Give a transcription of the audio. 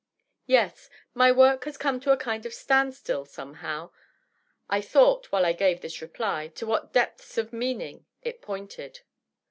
"Yes. My work has come to a kind of stand still, somehow." I thought, while I gave this reply, to what depths of meaning it pointed.